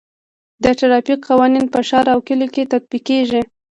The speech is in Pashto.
د ټرافیک قوانین په ښار او کلیو کې تطبیق کیږي.